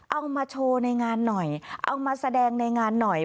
เอามาโชว์ในงานหน่อยเอามาแสดงในงานหน่อย